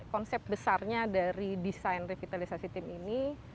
konsep besarnya dari desain revitalisasi tim ini